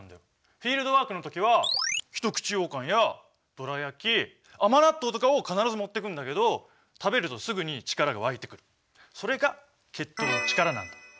フィールドワークの時は一口ようかんやどら焼き甘納豆とかを必ず持っていくんだけど食べるとすぐに力が湧いてくるそれが血糖の力なんだ。